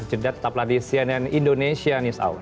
jeddah tapladisian and indonesian news hour